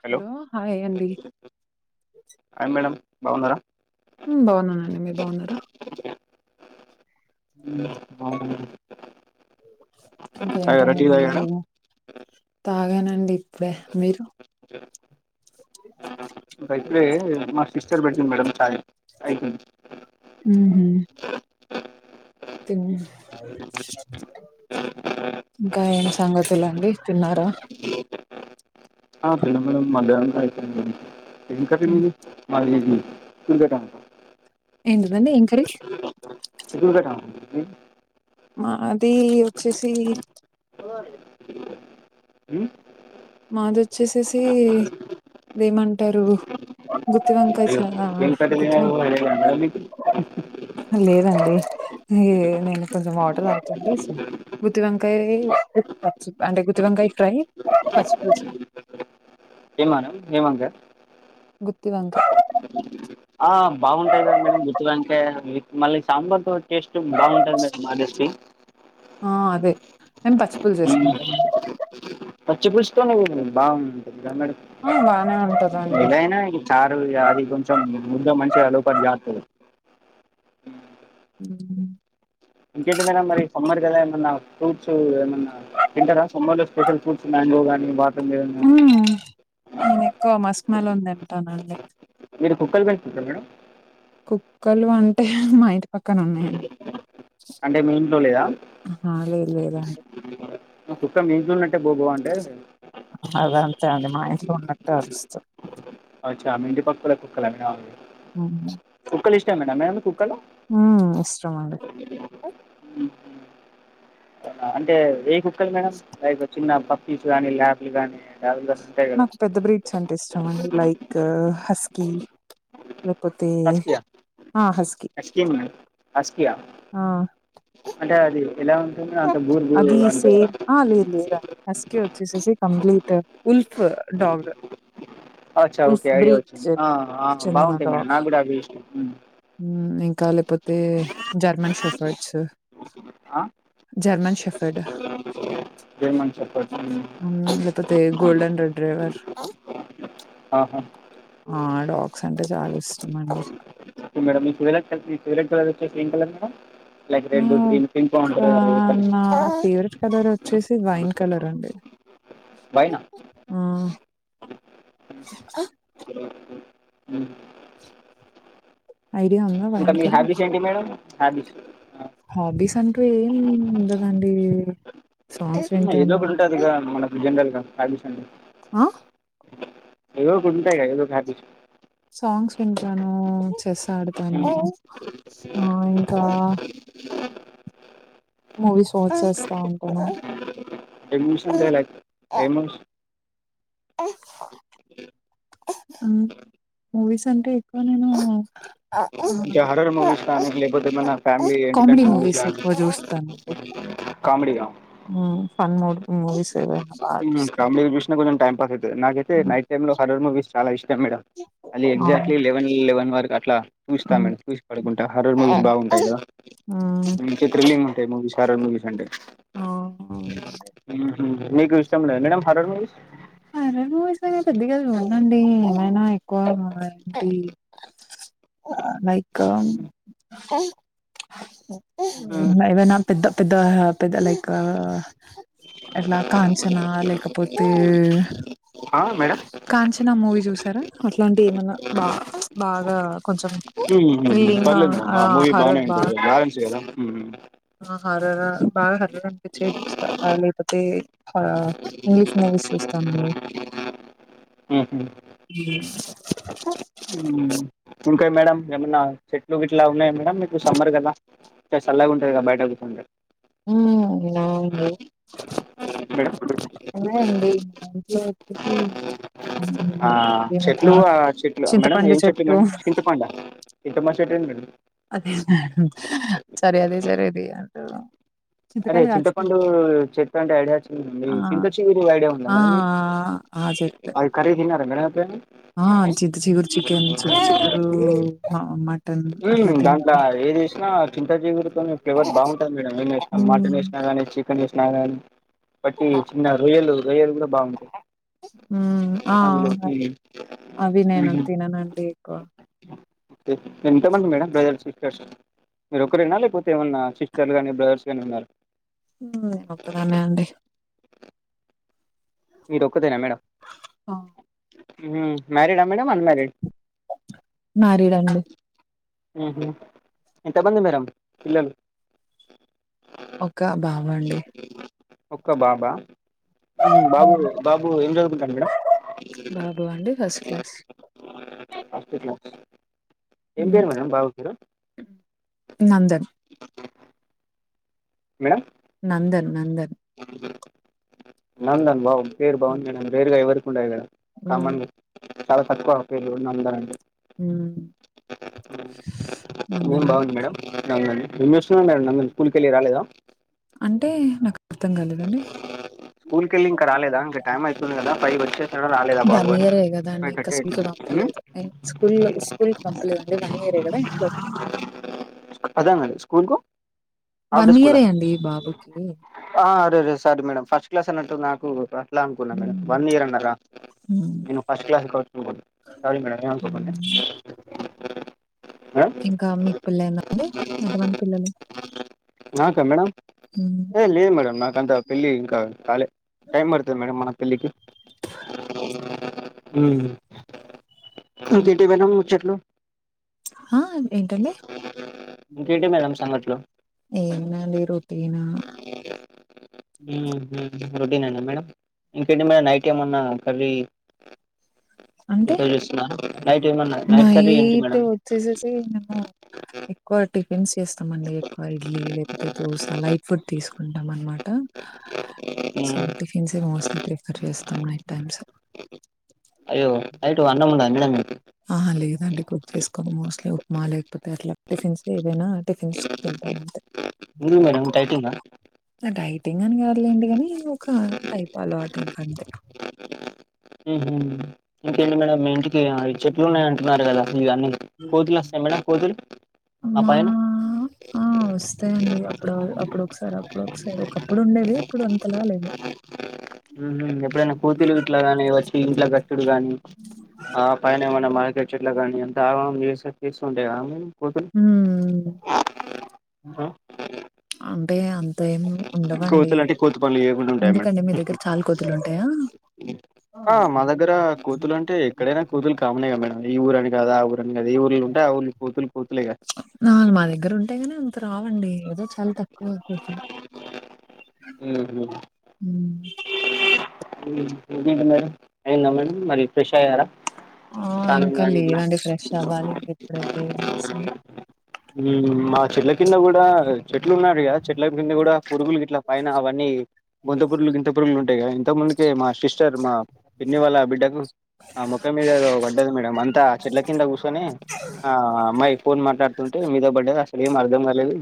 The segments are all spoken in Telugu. హలో హాయ్ అండి హాయ్ మేడం బాగున్నారా హుమ్ బాగున్నానండి మీరు బాగున్నారా తాగారా ఇంకేంటండి టీ తాగారా [unintelligible] తాగానండి మీరు అయితే మా సిస్టర్ పెట్టింది మేడం అయిపోయింది మ్మ్హ. తిన్ ఇంకా ఏం సంగతులండి తిన్నారా ఆ తినం మేడం మధ్యానం పైన్ తింటం ఏం కర్రీ మీది మాది ఎగ్ [unintelligible] ఎందుకండీ ఏం కర్రీ సి దగా మాది వచ్చేసి అ మాదిచ్చేసేసి ఇదేమంటారు గుత్తి వంకాయ అయ్యో చ దకాటి మ అ లేదండి ఇ నేను కొంచెం ఆటర్ ఆతండి గుత్తివంకాయ పచ్చి అంటే గుత్తివంకాయ ఫ్రై పచ్చిపుి ఏమానం ఏమాంగా గుతి వంత ఆ బాగుంటాది కదా మేడం గుత్తి వంకాయ మళ్ళీ సాంబార్ తో టేస్ట్ బాగుంటంది మేడం హానెస్ట్లీ ఆ అదే మేం పచ్చి పూలు ఉమ్ చేసుకుంటా మ పచ్చి పులుసు తోని బాగుంటుంది గా మేడం ఆ బానే ఉంటదండి ఏదైనాగి చారు అది కొంచెం ముద్ద మంచిగా లోపట జారుతది ఉహు ఇంకేంటి మేడం మరి సమ్మర్ కదా ఏమన్నా టు ఫ్రూట్స్ ఏమన్నా తింటారా సమ్మర్ ల వచ్చి స్పెషల్ ఫ్రూట్స్ మ్యాంగో గాని వాటర్ మి ఆహా నేను ఎక్కువ మస్క్ మెలన్ తింటానండి మీరు కుక్కలు పెంచుకుంటారా మేడం కుక్కలు అంటే మా ఇంటి పక్కన ఉన్నాయండి అంటే మీ ఇంట్లో లేదా ఆహా [inaudible] కుుక్క మీ ఇంట్లో ఉన్నట్టే బోవు బో అంటే అదంతే అండి మా ఇంట్లో ఉన్నట్టు అరుస్తు అచ్చ అ మీంటి పక్కల కుక్కలేన అవి అవునా కుక్కలు ఇష్ట మేనా మేడం మీ కుక్కలు ఆ ఇష్టమండి అవునా? అంటే ఏ కు ఎక్కడ మేడం [inaudible] రా చిన్న అప్ప పప్పీసు గాని ల్యాబ్లు గాని డగులు గాని నాకు పెద్ద బ్రీడ్స్ అంటే ఇష్టం అండి లైక్ ఆస్కీ లేకపోతే హస్కీయా ఆ హస్కి హాస్ కియా అంటే అది ఇలా ఉంటుంది అను అది సేమ్ ఆహా లేదు లేదు అండి హస్కి వచ్చే ససి కంప్లీట్ ఉల్ఫ్ డాగ్ అచ్చ ఉల్ఫ్ ఓకే ఐడియా వచ్చింది బ్రీడ్ ఆ ఆ చెందిన బాగుంటాయి డాగ్ మేడం నాకు కూడా అవే ఇష్టం హ్మ్. ఇంకా లేకపోతే జర్మన్ షాఫ్టస్ ఆ జర్మన్ షా కెఫెడు ఏమని చెప్ప [inaudible] తే గోల్డన్ రెడ్ డ్రైవర్ ఆహా ఆ డాగ్స్ అంటే చాలా ఇష్టం అండి. ఇప్పుడు మేడమ్ మీ ఫేవరేట్ కలర్ మీ ఫేవరేట్ కలర్ వచ్చేసి ఏం కలర్ మేడమ్ నాక అది నా ఫేవరేట్ కలర్ వచ్చేసి వైన్ కలర్ అండి వైనా ఆ ఆ హ్మ్. ఐడియా ఉందా ఇంకా వైన్ మీ కలర్? హాబీస్ ఏంటి మేడమ్ హాబీస్ ఆ! హాబీస్ అంటూ ఏం ఉండదండి. సాంగ్స్ ఉమ్ ఏదో వింటాను. ఒకటి ఉంటది కదా. మనకు జనరల్ గా హాబీస్ అని ఆహ్ ఏదో ఒక ఉంటాయి కదా ఏదో ఒక హాబీస్ సాంగ్స్ వింటాను, చెస్ ఆడతాను, హ్మ్. ఆ ఇంకా మూవీస్ వాచ్ చేస్తా ఉంటాను. ఎడ్మిషన్ డైలాగ్ ఏం [inaudible] ఆ మూవీస్ అంటే ఎక్కువ నేను ఆ ఇంకా హర్రర్ మూవీస్ కానీ లేకపోతే ఏమైనా ఫ్యామిలీ కమెడి ఎంటర్టైన్మెంట్ మూవీస్ ఎక్కువ జూస్తాను. టె కామెడిగా ఫన్ మూడ్ మూవీస్ ఏవైనా బాగా ఉ చూస్తాను కామెడీలు చూసిన కొంచం టైమ్ నాకైతే నైట్ టైమ్ లో హార్రర్ మూవీస్ చాల ఇష్ టెమ్మెడ అలి ఎగ్జాక్ట్లీ లెవెన్ లెవెన్ వరకు అట్లా చూస్తాను. చూసి పడుకుంటా హార్రర్ మూవీస్ బాగుంటాయి కదా మంచి థ్రిల్లింగ్ ఉంటాయి మూవీస్ హర్రర్ మూవీస్ అంటే ఉ నీకు ఇష్ టం లే madam horror movies horror movies నేనేం పెద్దగా చూడనండి. ఏమైనా ఎక్కువ ఏంటి లైక్ హ్మ్. హ్మ్. ఏవైనా పెద్ద పెద్ద పెద్ద లైక్ ఎట్లా కాంచనా లేకపోతే ఆ మేడమ్ న మూవీ చూసారా అట్లాంటి ఏమన్నా బా బాగా కొంచెం ఉమ్ థ్రిల్లింగ్ పర్లేదు మేడమ్ ఆ మూవి బానే ఉంటది [unintelligible] కదా హ్మ్ ఆ హార్రర్ బాగా హార్రర్ అనిపించే చూస్తా లేకపోతే హా ఇంగ్లీష్ మూవీస్ చూస్తానండి. కా మేడంమ్ ఏమన్నా చెట్లుట్లా ఉన్నాయి మేమ్ మీకు సమ్మర్ కదా చ చాలగ ఉంటాది కదా బయట కూర్చుంటే లావుంది మేడం ఎలాండి ఇంట్లోచ్చ ఆ చెట్లు చెట్లు మేడం చింతపండు ఏం చెట్లు చెట్టు మేడం చింతపండు ఆ చింతపండు చెట్టు ఏం మేడం అదే సరే అదే సరే అది అంటారు అరే చింతకాయలు కాస్తాయి చింతపండు చెట్టు అంటే ఐడియా వచ్చింది ఆ మేడం చింత చిగురూ ఐడియా ఉందా ఆ మేడం ఆ చెట్లే అవి ఖరీ తిన్నారా మేడం అ ఆ చింత చిగురు చికెన్ చింత చిగురు మ దాంట్లో ఏదిసినా చింత చిగురుతోనే ఫ్లేవర్ బాగుంటంది మేడం ఏం వేసినా ఉమ్, మటన్ వసినాగానీ చికెన్ వేసినా ఆ బట్టి చిన్న రొయ్యలు రొయ్యలు కూడా ఉమ్, ఆ బాగుంటాయిందులో అవి నేను తిననండి ఎక్కువ ఓకే ఎంతమంది మేడం బజల్క మీరు ఒకక్కరేనా లేకపోతే ఏమన్నా సిస్టర్ గాని బ్రదర్స్ గాని ఉన్నారు ఒక్కదానినే అండి మీరు ఒక్కదేనా మేడం ఆ మ్యారిడ్ ఆ మేడం అన్మ్యారిడ్ మ్యారీడ్ అండి మ్మ్ ఎంత మంది మేడంమ్ పిల్లలు ఒక బాబు అండి ఒక్క బాబా బాబు హ్మ్. బాబు ఎం చదువుకుంటాడు మేడం బాబు అండి ఫస్ట్ క్లాస్ ఏం పేరు మేడం బాబు పేరు నందన్ మేడం నందన్ నందన్ అ నందన్ వావ్ పేరు బాగుంది మేడం రేర్గా ఎవరికు ఉండదు కదా మ్మ్ కామన్గా చాలా తక్కువ పేలు ఉ అందారంండి మ్మ్ ఏం నందన బాగుంది మేడం ఎస్ అవును నందన్ స్కూల్ కి వెళ్ళి రాలేదా అంటే నాకు అర్థం కాలేదండి స్కూల్ కి వెళ్ళి ఇంక రాలేదా ఇంక టైమ్ అయితుంది కదా పై వచ్చేశాడ రాలేదా బాబు వన్ అని ఇయరే కదండి ఫైవ్ ఇంకా థర్టీ స్కూల్ కి అయితుంది పంపలేదు స్కూల్ స్కూల్ కి పంపలేదండి వన్ ఇయరే కదా ఇంట్లో అద మ స్కూల్ కు వన్ ఇయరే అండి బాబుకి ఆరే రే సారీ మేడం ఫస్ట్ క్లాస్ అన్నట్టు నాకు ఇలా అనుకున్నా మేడం హ్మ్. వన్ ఇయర్ అన్నారా హ్మ్. నేను ఫస్ట్ క్లాస్కి వచ్చ అనుకోను సారీ మేడమ్ ఏమ్ అనుకోకండి హ్మ్. ఇంకా మీకు పెల్లయిందా అండి ఎంతమంది పిల్లలు నాకా పెళ్లి ఇంకా కాలే టైమ్ పడతది మేడం మన పెళ్లికి హ్మ్ కూతటీ పోయిన్నవ్ చెట్లు హా ఏంటండి ఇంకేంటి మేడం సంగట్లు ఏం లేదండి రొటీన్ హ్మ్ రొటీనేన్నా మేడం ఇంకేంటి మరి నైట్ ఏమన్నా కర్రీ అంటే ప్రిపేర్ చేస్తున్నారా నైట్ ఏమన్నా కర్రీ ఏంటి నైట్ మేడం వచ్చేసేసి నేను ఎక్కువ టిఫిన్స్ చేస్తా స్తంమండి ఎక్కువ ఇడ్లీ లేకపోతే దోస లైక్ ఫుడ్ తీసుకుంటాం అనమాట సో టిఫన్ సే మోస్ట్లీ ప్రిఫర్ చేస్తాం నైట్ టైమ్స్ అయ్యో నైటు అన్నం ఉండదా మేడం ఆహ లేదండి కుక్ చ్చెసు మోస్ట్లీ ఉప్మా లేకపోతే అట్లా టిఫిన్స్ ఏవైనా టిఫిన్స్ తింటా అంతే ఎందుకు మేడం డైటింగా టింగ్ అని కాదు లేండీ గాని ఒక టైపాలో ఆ టైప్ అంతే మ్ హూ ఇంకేంటి మేడం మీ ఇంటికి చెట్లు ఉన్నాయ్ అంటున్నారు కదా ఇగ అన్నీ కోతులు వస్తాయి మేడం కోతులు ఆ మా పైన ఆ వస్తాయండి అప్పుడు అప్పుడు ఒకసారి అప్పుడు ఒకసారి ఒకప్పుడు ఉండేవి ఇప్పుడు అంతలా లేవు మ్ హూ ఎప్పుడైనా కోతులు ఇట్లాగాని వచ్చి ఇంట్లో డు కాని ఆ పైన ఏమన్నా మార్కెట్ చెట్లా కానీ అంత ఆగం ఆగం చేసుంటాయి కదా మేడం హ్మ్ అం కోతులు అంటే కోతి పనులు చేయకుండా ఉంటాయా మేడం ఎందుకండి మీ దగ్గర చాలా కోతులు ఉంటాయా ఆ మా దగ్గర కోతులు అంటే ఎక్కడైనా కోతులు కామన్ ఏగా మేడం ఈ ఊరని కాదు ఆ ఊరని కాదు ఏ ఊర్లో ఉంటే ఆ ఊర్లో కోతులు కోతులు ఆ మా దగ్గర ఉంటాయి గాని అంత రావండి అదే చాలా తక్కువ కోతులు ఊహూ మ్మ్. [inaudible] ఇంకేంటి మేడం అయిందా మేడం మరి ఫ్రెష్ అయ్యారా ఆ స్నానం ఇంకా కానీ ఇట్లా లేదండి ఫ్రెష్ అవ్వాలి ఇంకిప్పుడు ఉమ్, మా చెట్ల కింద కూడా [unintelligible] చెట్లు ఉన్నాది కదా చెట్ల కింద కూడా పురుగులు గిట్లా పైన అవన్నీ బొంత పురుగులు గింత పురుగులు ఉంటాయి కదన్ తకుముందుకే మా సిస్టర్ మా పిన్ని వాళ్ళ బిడ్డకు ఆ మొఖం మీద ఏదో పడ్డది మేడం అంతా చెట్ల కింద కూర్సోని ఆ అమ్మాయి ఫోన్ మాట్ ట్లాడుతుంటే మీద బడ్డది అస్ లేం అర్థం కాలేదు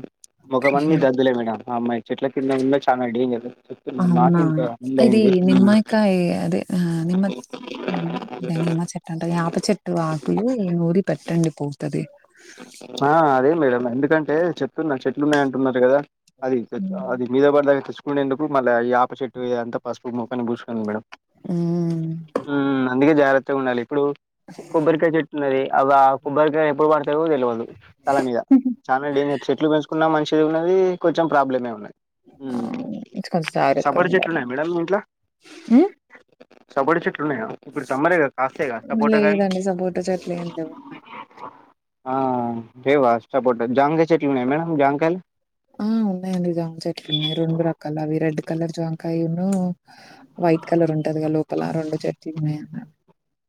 ముఖమన్నీ అయ్యో దద్దులే మేడం ఆ అమ్మాయి చెట్ల కింద ఉన్నా చానా డేంజర్ చెప్తున్నా మాకు అవునా ఇంకా ముందు ఇది అయింది నిమ్మయికాయ అదే హ నిమ్మ ఉమ్ దే నిమ్మ చెట్టంటా అంటే యాప చెట్టు ఆకులు నూరి పెట్టండి పోతది ఆ అదే మేడం ఎందుకంటే చెప్తున్నా చెట్లున్నాయ్ అంటున్నారు కదా హ్మ్. అది [inaudible] మీద పడిదాకా తెచ్చుకునేందుకు ప్పుడు మళ్ళ ఈ యాప చెట్టు ఇయంతా పసుపు మొఖానికి పూసుకుంది మేడం హ్మ్. మ్మ్ అందుగే జార తే ఉండాలి ఇప్పుడు కొబ్బరికాయ చెట్టున్నది అవ్ అ కొబ్బరికాయ ఎప్పుడు పడు తవో తెలవదు తల మీద చానా డేంజర్ చెట్లు పెంచుకున్నా మనిషి టుది ఉన్నది కొంచెం ప్రాబ్లమే ఉన్న ఉమ్మ్ అవును. కొంచెం సపోట చెట్లు జాగ్రత్తగుండాల. ఉన్నాయా మేడం మీ ఇంట్ల హ్మ్. సపోట చెట్లున్నాయా ఇప్పుడు సమ్మరే కదా కాస్తాయి కదా సపోటాకాయలు లేదండి. సపోటా చెట్లేం లేవు. ఆ ఆంటే [unintelligible] సపోటా జాంకాయ్ చెట్లున్నయా మేడం జాంకాయలు ఆ ఉన్నాయండి జాం చెట్లున్నాయి రెండు రకాలు అవి రెడ్ కలర్ జాం టైను వైట్ కలర్ ఉంటదిగా లోపల రెండు చెట్లున్నయన్న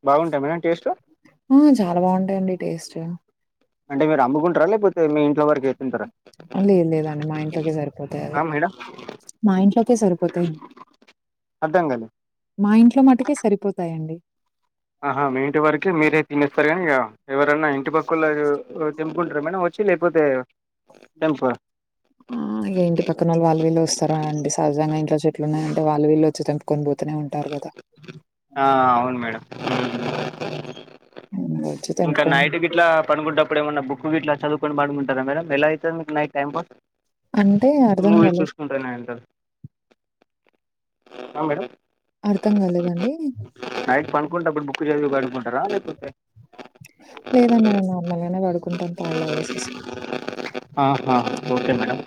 బాగుంటాయి మేడం టేస్ట్ ఆ చాలా బావుంటాయండి టేస్టు అంటే మీరు అమ్ముకుంటరా లేకపోతే మీ ఇంట్లో వరి లేదు లేదండి మా ఇంట్లోకే సరిపోతాయది ఆ మేడం మా ఇంట్లోకే సరిపోతాయి అర్థం కాలే మా ఇంట్లో మటుకే సరిపోతాయండి ఆహా మీ ఇంటి వరకి మీరే తినేస్తారు కానీ ఇగ ఎవరన్నా ఇంటి పక్కోళ్ళ [unintelligible] తెంపుకుంటరా మేడం చ్చి లేకపోతే కెంఫా ఆ ఇగ ఇంటి పక్కన వాళ్ళు వాళ్ళు వీళ్ళు వస్తారా అండి సహజంగా ఇంట్లో చెట్లున్నాయి అంటే వాళ్ళు వీళ్ళు వచ్చి తెంపు కొన్ బో ఆ అవును మేడం ఉమ్మ్ హ్మ్. వచ్చి [inaudible] ఇంకా తెంపుకొని నైట్కి ఇట్లా పనుకుంటప్పుడు ఏమన్నా ఒొక్క వీట్లా చదువుకని పడుకుంటారా మేడం ఎలా అవుతుంది మీకు నైట్ టైం పాస్ అంటే అర్ధం కల మూవీస్ చూసుకుంటానే అ మేడం అర్థం కాలేదండి. నైట్ పనుకుంటప్పుడు బుక్ చదివి పడుకుంటారా స లేదండి నేను నార్మల్ పడుకుంటాను పలా వేసేసి ఆహా ఓకే మేడం